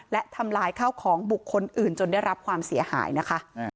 และทำลายข้าวของบุคคลอื่นจนได้รับความเสียหายนะคะ